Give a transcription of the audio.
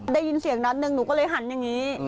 ได้ยินเสียงนัดหนึ่งหนูก็เลยหันอย่างนี้